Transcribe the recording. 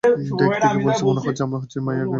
Day থেকে বলছি, মনে হচ্ছে আমরা হচ্ছি মায়ামিগামী রেড আই।